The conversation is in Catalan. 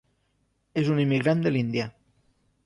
És un immigrant de l'Índia.